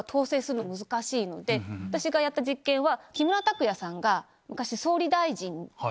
私がやった実験は。